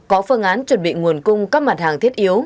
có phương án chuẩn bị nguồn cung các mặt hàng thiết yếu